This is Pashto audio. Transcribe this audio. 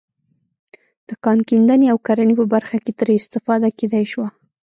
د کان کیندنې او کرنې په برخه کې ترې استفاده کېدای شوه.